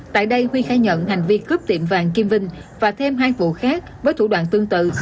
tại đây huy khai nhận hành vi cướp tiệm vàng kim vinh và thêm hai vụ khác với thủ đoạn tương tự